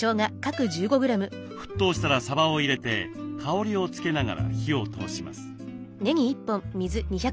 沸騰したらさばを入れて香りを付けながら火を通します。